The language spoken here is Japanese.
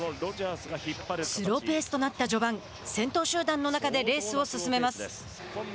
スローペースとなった序盤先頭集団の中でレースを進めます。